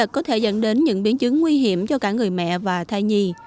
có thể dẫn đến những biến chứng nguy hiểm cho cả người mẹ và thai nhi